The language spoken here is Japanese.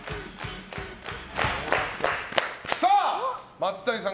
松谷さん